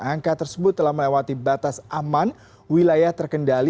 angka tersebut telah melewati batas aman wilayah terkendali